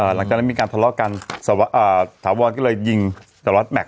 หลังจากนั้นมีการทะเลาะกันถาวรก็เลยยิงสล็อตแม็ก